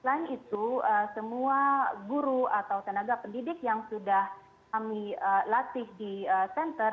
selain itu semua guru atau tenaga pendidik yang sudah kami latih di center